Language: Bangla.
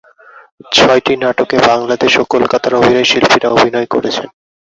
ছয়টি নাটকে বাংলাদেশ ও কলকাতার অভিনয়শিল্পীরা অভিনয় করছেন।